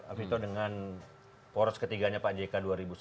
afito dengan poros ketiganya pak jk dua ribu sembilan